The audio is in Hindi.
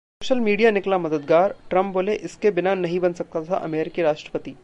सोशल मीडिया निकला मददगार, ट्रंप बोले- इसके बिना नहीं बन सकता था अमेरिकी राष्ट्रपति